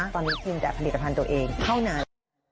ตอนนี้คุณจัดผลิตภัณฑ์ตัวเองเข้านาน